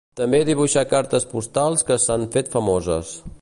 També dibuixà cartes postals que s'han fet famoses.